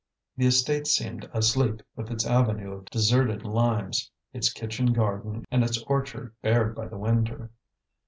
The estate seemed asleep, with its avenue of deserted limes, its kitchen garden and its orchard bared by the winter.